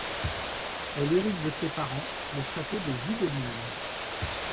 Elle hérite de ses parents le Château de Wideville.